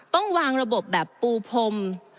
ต้องวางระบบแบบปูพรม